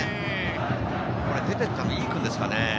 出て行ったのは井伊君ですかね。